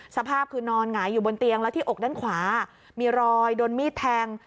สภาพคือนอนหงายอยู่บนเตียงแล้วที่อกด้านขวามีรอยโดนมีดแทง